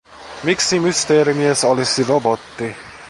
Miksi Mysteerimies olisi robotti?